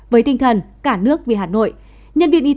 với tinh thần cả nước vì hà nội